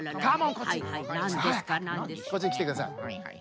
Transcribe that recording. こっちにきてください。